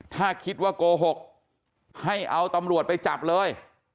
ถ้าคิดว่าโกหกให้เอาตำรวจไปจับเลย